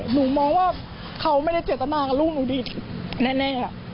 หนูมองว่าเขาไม่ได้เจตนากับลูกหนูดีแน่